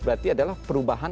berarti adalah perubahan